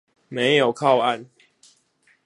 沒有靠岸